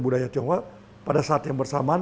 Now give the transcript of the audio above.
budaya tionghoa pada saat yang bersamaan